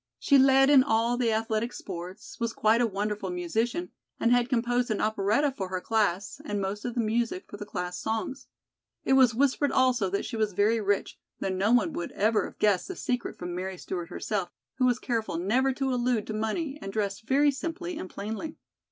She led in all the athletic sports, was quite a wonderful musician and had composed an operetta for her class and most of the music for the class songs. It was whispered also that she was very rich, though no one would ever have guessed this secret from Mary Stewart herself, who was careful never to allude to money and dressed very simply and plainly.